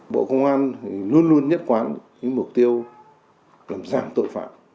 bộ công an luôn luôn nhất quán mục tiêu làm giảm tội phạm